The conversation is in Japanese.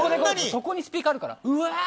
そこにスピーカーあるから。